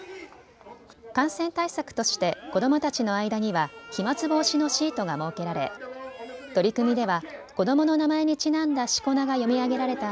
感染対策として子どもたちの間には飛まつ防止のシートが設けられ取組では子どもの名前にちなんだしこ名が読み上げられた